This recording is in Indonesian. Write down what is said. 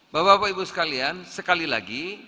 bapak bapak ibu sekalian sekali lagi